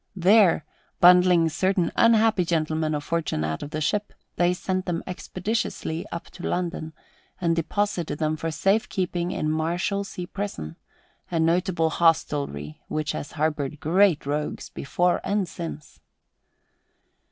There, bundling certain unhappy gentlemen of fortune out of the ship, they sent them expeditiously up to London and deposited them for safe keeping in the Marshalsea prison, a notable hostelry which has harboured great rogues before and since.